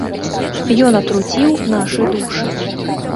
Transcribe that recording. Ён атруціў нашы душы.